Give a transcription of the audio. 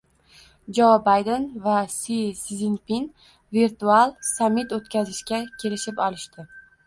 Jo Bayden va Si Szinpin virtual sammit o‘tkazishga kelishib olishdi